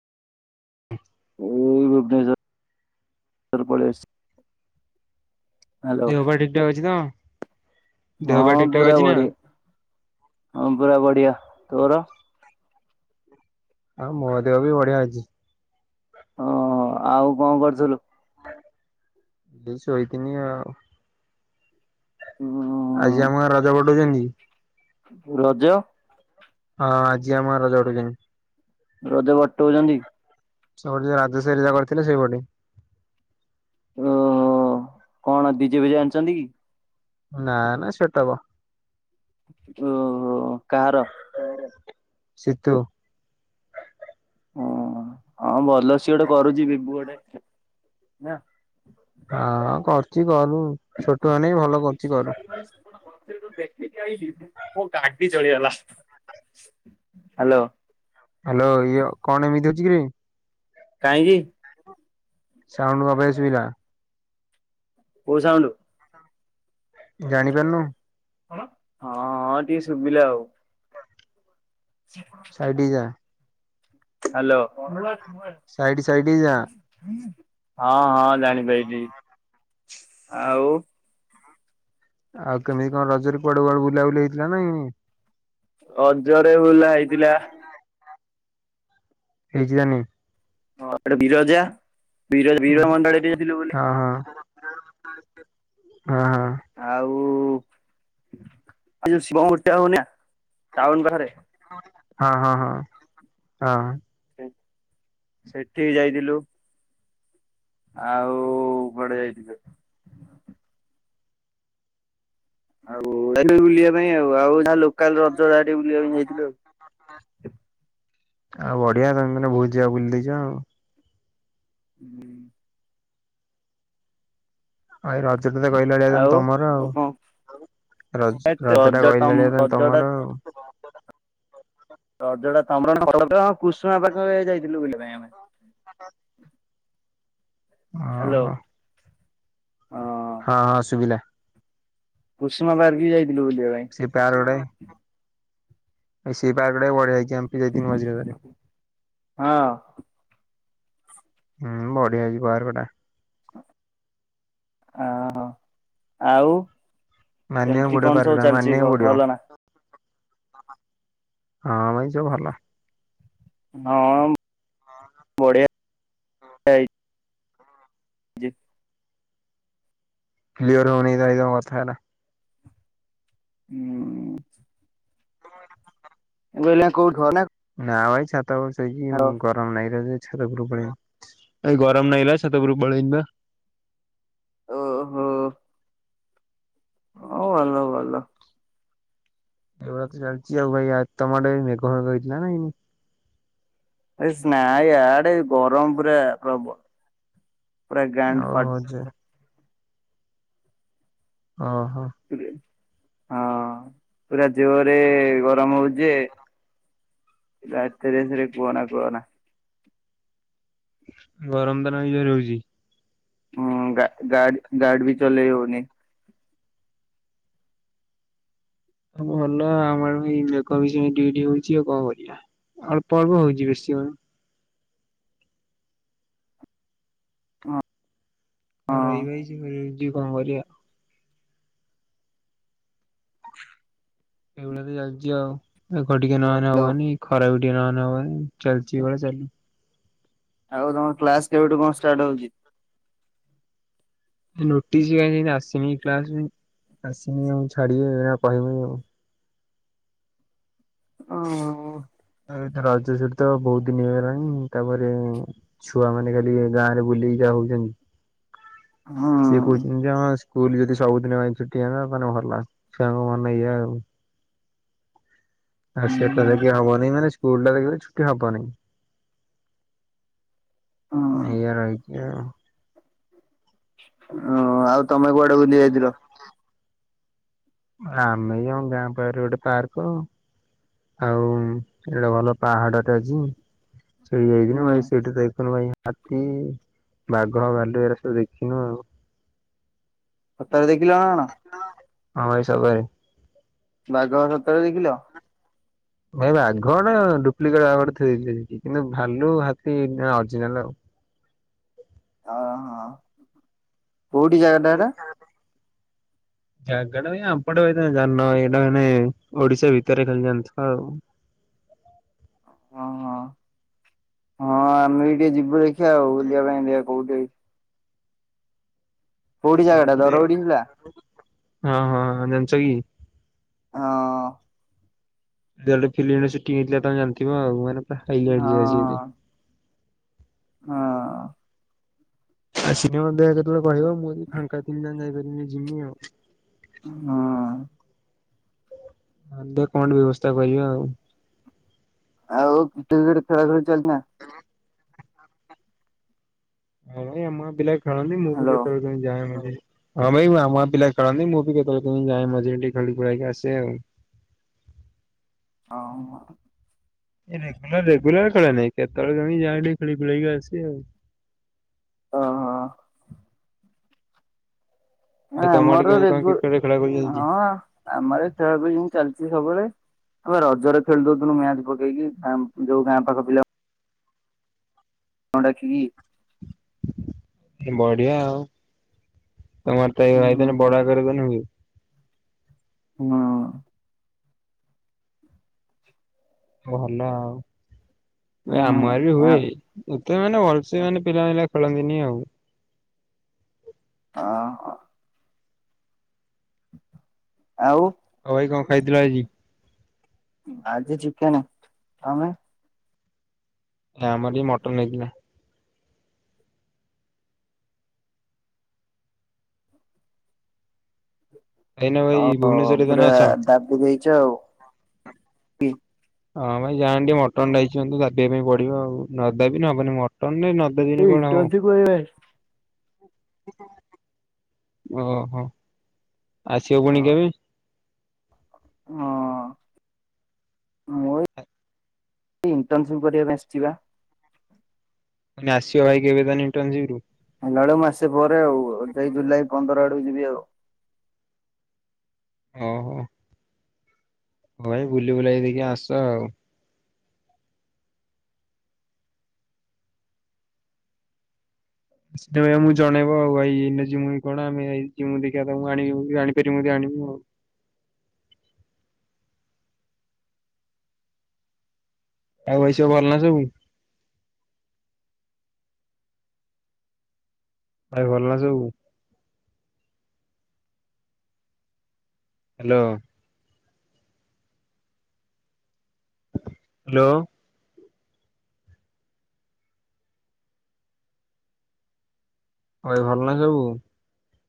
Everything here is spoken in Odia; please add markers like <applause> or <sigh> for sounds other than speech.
ଏ ଭୁ୍ବନେଶ୍ୱର ପଳି ଆସିଛି। ହ୍ୟାଲୋ ଦେହ ପା ଠିକ ଠାକ ଅଛି ତ। ଦେହ ହଁ ପା ଠିକ ଠାକ ପୁରା ଅଛି ନା? ବଢିଆ ହଁ ପୁରା ବଢିଆ ତୋର ଆଉ ମୋ ଦେହ ବି ବଢିଆ ଅଛି। ହଁ ଆଉ କଣ କରୁଥିଲୁ। ଏଇ ସୋଇଥିନି ଆଉ। ଉ ଆଜି ଆମ ଗାଁ ରଜ ପଟଉଛନ୍ତି। ରଜ ହଁ ଆଜି ଆମ ଗାଁ ରଜ ବାଟୋଉଚନ୍ତି? ରଜ ଭଟ୍ଟ ଉଚନ୍ତି। ସେପଟେ ରାଜ ସାଇ ରେ କରିଥିଲେ ସେଇପଟେ। ଓହୋ କଣ ଡିଜେ ଫିଜେ ଆଣିଛନ୍ତି କି। ନା ନା ସେଟବ ଓହୋ କାହାର। ସିତୁ। ଓ ହଁ ଭଲ ସିଏ ଗୋଟେ କରୁଛି ବିବୁ ଗୋଟେ ନା। ହଁ ହଁ କରୁଛି କରୁ। ଛୋଟୁ ଅନେଇବ। <unintelligible> ଦେଖିକି ଆଇଲି ମୋ ଗାଡି ଜଳିଗଲା ହ୍ୟାଲୋ। ହ୍ୟାଲୋ ଇଏ କଣ ଏମିତି ହଉଛି କିରେ। କାହିଁକି? ସାଉଣ୍ଡ୍ କଣ ପାଇଁ ଶୁଭିଲା? କୋଉ ସାଉଣ୍ଡୁ? ଜାଣିପାରୁନୁ। ହଁ ହଁ ଟିକେ ଶୁଭିଲା ଆଉ। ସାଇଡ ହେଇଯା। ହ୍ୟାଲୋ। ସାଇଡ ସାଇଡ ଯା। ହଁ ହଁ ଜାଣିପାଇଲି ଆଉ। ଆଉ କେମିତି କଣ ରଜରେ କୁଆଡେ କୁଆଡେ ବୁଲାବୁଲି ହେଇଥିଲା ହେଇନି। ରଜରେ ବୁଲା ହେଇଥିଲା ହେଇଛି ଜାନି। ହଁ ଏଠେ ବିରଜା ବିରଜା ବିରଜା ମନ୍ଦିର ଆଡେ ଯାଇଥିଲୁ ବୁଲି। ହଁ ହଁ ହଁ ହଁ। ଆଉ ଯୋଉ ଶିବଙ୍କ ମୃତ୍ତି ହଉନି ନା ଟାଉନ ପାଖରେ। ହଁ ହଁ ହଁ ହଁ। ସେଠିକି ଯାଇଥିଲୁ। ଆଉ କୁଆଡେ ଯାଇଥିଲୁ? ଆଉ ବୁଲିବା ପାଇଁ ଆଉ ଆଉ ଯାହା ଲୋକାଲ ରଜ ଯାହା ଟିକେ ବୁଲିବା ପାଇଁ ଯାଇଥିଲୁ ଆଉ। ଆଉ ବଢିଆ ତମେ ମାନେ ବହୁତ ଯାଗା ବୁଲି ଦେଇଛ ଆଉ। ହୁଁ। ଭାଇ ରଜରେ ତ କହିଲା ଭଳିଆ ତମର ଆଉ। ରଜ କଣ ରଜ ଟା କହିଲେ ତମ ଭଳିଆ ତ ରଜଟା ତମର ଆଉ। ରଜ ଟା ତମର <unintelligible> କୁସୁମା ପାଖ ଯାଇଥିଲୁ ବୁଲିବା ପାଇଁ ଆମେ। ହଁ। ହ୍ୟାଲୋ ଓହୋ। ହଁ ହଁ ସୁୁବିଲା। କୁଷୁମା ପାର୍କ ବି ଯାଇଥିଲୁ ବୁଲିବା ପାଇଁ। ସେଇ ପାର୍କ ଟା ହିଁ ସେଇ ପାର୍କ ଟା ହିଁ ବଢିଆ ହେଇଛି। ଏ ଯତିନ ବାଜିଲାରେ। ହଁ ହୁଁ ବଢିଆ ହେଇଛି ପାର୍କ ଟା। ଅହୋ ଆଉ ମାନିବାକୁ ଏମିତି ପଡିବ କଣ ପାର୍କ ଟା ସବୁ ଚାଲିଛି ମାନିବାକୁ ପଡିବ ଭଲ ନା? ହଁ ଭାଇ ସବୁ ଭଲ। ହଁ। ବଢିଆ ଯେ କ୍ଲିଅର ହଉନି ଭାଇ ତମ କଥାଟା। ହୁଁ। <inaudible> ନା ଭାଇ ଛାତ ଉପରେ ଶୋଇଚି କଣ? <unintelligible> ଗରମ୍ ନାଗିଲା ଯେ ଛାତ ଉପରୁ ପଳେଇଆଇଲି <unintelligible> ଗରମ ନାଗିଲା ଛାତ ଉପରକୁ ପଳେଇ ଆଇଲି ବା। ଓହୋ। ହଉ ଭଲ <unintelligible> ଏଇଭଳିଆ ତ ଚାଲ୍ଚି ଆଉ ଭାଇ ତମ ଆଡେ ମେଘ ଫେଘ ହେଇଥିଲା ନା ହେଇନି? ଏ ସ୍ନାଇ ୟାଡେ ଗରମ୍ ପୁରା ପ୍ରବ ହଉ-ହଉ ଯା। ଓହୋ। ହଁ ପୁରା ଯୋରେ ଗରମ୍ ହଉଚି ଯେ ରାତିରେ ଏସିରେ କୁହନା-କୁହନା। ଗରମ୍ ଦିନ ଇଏ ରହୁଚି। ହୁଁ ଗା ଗାଡ଼ି-ଗାଡ଼ି ବି ଚଲେଇ ହଉନି। ଭଲ ଆମର <unintelligible> ମେଘ ବି ସେମି ଟିକେ-ଟିକେ ହଉଚି ଆଉ କଣ କରିଆ। ଅଳ୍ପ-ଅଳ୍ପ ହଉଚି ବେଶୀ ହଉନି। ହଁ ଆଉ ରହିବା <unintelligible> କଣ କରିଆ। ଏଇଭଳିଆ ତ ଚାଲ୍ଚି ଆଉ, ମେଘ ଟିକେ ନହେନେ ହ୍ୟାଲୋ ହବନି, ଖରାବି ନହେନେ ହବନି, ଚାଲିଚି ଏଇ ଭଳିଆ ଚାଲୁ। ଆଉ ତମ କ୍ଲାସ୍ କେବେଠୁ କଣ ଷ୍ଟାର୍ଟ ହଉଚି? ନୋଟିସ୍ କାଇଁ <unintelligible> ଆସନି କ୍ଲାସ୍ <unintelligible> ଆସିନି ଆଉ ଛାଡିଵେ ଆଉ କହିବେ ଆଉ। <unintelligible> ତ ଏଇଥର ରଜ ଛୁଟି ତ ବହୁତ୍ ଦିନ ହେଇଗଲାଣି, ତାପରେ ଛୁଆମାନେ ଖାଲି ଗାଁରେ ବୁଲିକି ଯା ହଉଚନ୍ତି। ହଁ। ସିଏ କହୁଚନ୍ତି ଯେ ହଁ ସ୍କୁଲ୍ ଯଦି ସବୁଦିନ ପାଇଁ ଛୁଟି <unintelligible> ମାନେ ଭଲ ଛୁଆଙ୍କ ମନ <unintelligible> ଆଉ। ଆ ସେ ହୁଁ କହିଲେ କି ହବନି ମାନେ ସ୍କୁଲ ଟା <unintelligible> ଛୁଟି ହବନି। <unintelligible> ଏଇଆ ରହିଚି ଆଉ। ଓ ଆଉ ତମେ କୁଆଡେ ବୁଲି ଯାଇଥିଲ? ଆମେ ଯାଉଁ ଗାଁ ପାଖେରେ ଗୋଟେ ପାର୍କ ଆଉନ୍ ଏଆଡେ ଭଲ ପାହାଡଟେ ଅଛି। <unintelligible> ଯାଇକିନି ହୁଁ। ଭାଇ ସେଇଟି <unintelligible> ଭାଇ ହାତୀ, ବାଘ, ଭାଲୁ ଏରା ସବୁ ଦେଖିନୁ ଆଉ। ସତରେ ଦେଖିଲ ନା କଣ? ହଁ ଭାଇ <unintelligible> ବାଘ ସତରେ ଦେଖିଲ? ଭାଇ ବାଘଟା ଡୁପ୍ଲିକେଟ୍ ବାଘଟେ ଥୋଇଦେଇ ଥିଲେ ସେଇଠି, କିନ୍ତୁ ଭାଲୁ ହାତୀ ଅର୍ଜିନାଲ୍ ଆଉ। ଅ ହଁ କୋଉଠି ଜାଗାଟା ସେଟା? <inaudible> ଜାଗାଟା ଭାଇ ଆମ୍ ପଟ ଏରିଆ ତମେ ଜାଣିନ ଭାଇ, ଏଇଟା ମାନେ ଓଡିଶା ଭିତରେ ଖାଲି ଜାଣିଥିବ ଆଉ। ହଁ-ହଁ-ହଁ ଆମେ ବି ଟିକେ ଯିବୁ ଦେଖିଆ ଆଉ ବୁଲିବା ପାଇଁ ଦେଖିଆ କୋଉଠି ହେଇଚି। କୋଉିଠି ଜାଗାଟା ଦରଉଡି <unintelligible> ହଁ-ହଁ-ହଁ ଜାଣିଚ କି? ହଁ। <unintelligible> ଗୋଟେ ଫିଲ୍ମ ଟେ ସୁଟିଙ୍ଗ ହେଇଥିଲା ତମେ ଜଣିଥିବ ଆଉ, ମାନେ ପୁରା ହାଇଲାଇଟ୍ ହଁ ଜାଗା <unintelligible> ହଁ। ଆସିି କି ମଧ୍ୟ କେତେବେଳେ କହିବ ମୁଁ ଯଦି ଫାଙ୍କାଥିମି ତାହେଲେ ଯାଇପାରିବି ଯିମି ଆଉ। ହଁ। <unintelligible> କଣ ଗୋଟେ ବ୍ୟବସ୍ଥା କରିବା ଆଉ। ଆଉ କ୍ରିକେଟ ଫ୍ରିକେଟ ଖେଳା ଖେଳି ଚାଲି ନା। ହଁ ଆମ ଗାଁ ପିଲା ଖେଳନ୍ତି ମୁଁ ବି ହ୍ୟାଲୋ କେତୋବେଳେ କେମିତି ଯାଏ ମଝିରେ। ହଁ ବା ଏଇ ଆମ ଗାଁ ପିଲା ଖେଳନ୍ତି ମୁଁ ବି କେତେବେଳେ କେମିତି ଯାଏ ମଝିରେ ଟିକେ ଖେଳି ଖୁଳାକି ଆସେ ଆଉ। ହଁ ହଁ। ଏ ରେଗୁଲାର ରେଗୁଲାର ଖେଳେ ନାହିଁ କେତେବେଳେ କେମିତି ଯାଁଏ ଟିକେ ଖେଳି ଖୁଳାକି ଆସେ ଆଉ। ହଁ। ଭାଇ ତମ ଆଡେ ଆମର କେମିତି କଣ ରେଗୁ କ୍ରିକେଟ ଖେଳାଖେଳି ଚାଲିଛି? ହଁ ଆମର ଖେଳ ଖୁଳି ଏମତୀ ଚାଲିଚି ସବୁବେଳେ। ଆମ ରଜରେ ଖେଳି ଦଉଥିଲୁ ମ୍ୟାଚ ପକେଇକି ଆମ୍ ଯୋଉ ଗାଁ ପାଖ ପିଲାମାନେ। <inaudible> ଡାକିକି। ଉଁ ବଢିଆ ତମର ତ ହୁଁ ଏଇ। <unintelligible> ହଁ। ଭଲ ଆଉ ଏ ଆମର ବି ହୁଏ। ହୁଁ ଏତେ ମାନେ ଭଲସେ ମାନେ ପିଲା ପିଲା ଖେଳନ୍ତିନି ଆଉ। ହଁ ହଁ। ଆଉ। ଆଉ ଭାଇ କଣ ଖାଇଥିଲ ଆଜି? ଆଜି ଚିକେନ ତମେ ଆମର ଏଇ ମଟନ ହେଇଥିଲା। ଏଇନେ ଭାଇ ଅ ଭୁବନେଶ୍ଵରରେ ପୁରା ତମେ ଅଛ। ଦାବି ଦେଇଛ ଆଉ। ହଁ ଭାଇ ଯାଆନ୍ତି ଟିକେ ମଟନ୍ <inaudible> ଦାବିବା ପାଇଁ ପଡିବ ଆଉ ନଦାବିଲେ ହବନି ମଟନ <unintelligible> କହିବା। ଓହୋ ଆସିବ ପୁଣି କେବେ? ହଁ ମୁଁ ଏଇ ଇଣ୍ଟର୍ନସିପ କରିବା ପାଇଁ ଆସିିଛି ବା। ମାନେ ଆସିବ ଭାଇ କେବେ ତାହେଲେ ଇଣ୍ଟର୍ନସିପରୁ? ହେଲା ବେଳେ ମାସେ ପରେ ଆଉ ଯାଇ ଜୁଲାଇ ପନ୍ଦର ଆଡକୁ ଯିବି ଆଉ। ଓହୋ। ହଁ ଭାଇ ବୁଲି ବୁଲେଇ ଦେଇକି ଆସ ଆଉ। ସେତେବେଳେ ଆମକୁ ଜଣେଇବ ଆଉ ଆଇ ଏଇ ଯମ ମୁଇ କଣ ଆମେ ଦେଖିବା ଆଣିବ ଆଣିପାରିବି ଆଣିବୁ ଆଉ। ଆଉ ଭାଇ ସବୁ ଭଲ ନା ସବୁ। ଭାଇ ଭଲ ନା ସବୁ। ହ୍ୟାଲୋ। ହ୍ୟାଲୋ। ଭାଇ ଭଲ ନା ସବୁ।